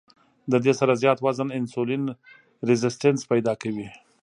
د دې سره زيات وزن انسولين ريزسټنس پېدا کوي